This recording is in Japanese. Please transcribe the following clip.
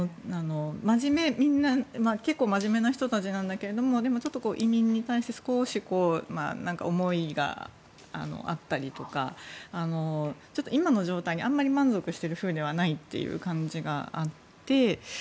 みんな結構真面目な人たちなんだけれどでも移民に対して少し思いがあったりとか今の状態にあんまり満足してるふうではないという感じがあって。